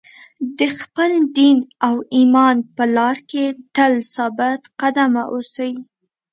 د خپل دین او ایمان په لار کې تل ثابت قدم اوسئ.